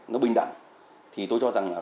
nó bình đẳng thì tôi cho rằng là